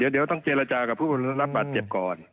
เดี๋ยวต้องเจรจากับผู้รับบาดเจ็บก่อน